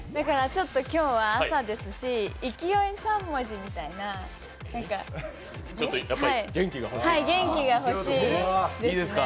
ちょっと今日は朝ですし勢い３文字みたいな元気が欲しいですね。